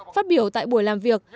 phát biểu tại buổi làm việc